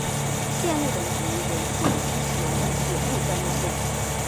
线路等级为限期使用的铁路专用线。